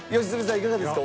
いかがですか？